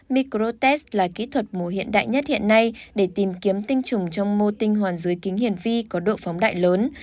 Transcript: micro test là kỹ thuật mù hiện đại nhất hiện nay để tìm kiếm tinh trùng trong mô tinh hoàn dưới kính hiển vi có độ phóng đại lớn